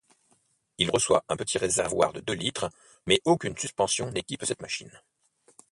Il reçoit un petit réservoir de deux litres, mais aucune suspension n'équipe cette machine.